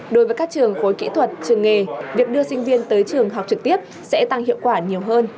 đối với các trường khối kỹ thuật trường nghề việc đưa sinh viên tới trường học trực tiếp sẽ tăng hiệu quả nhiều hơn